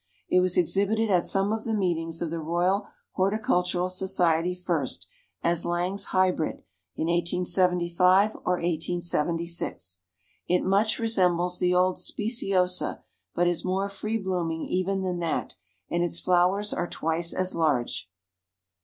It was exhibited at some of the meetings of the Royal Horticultural Society first, as Laing's Hybrid, in 1875 or 1876. It much resembles the old Speciosa, but is more free blooming even than that, and its flowers are twice as large.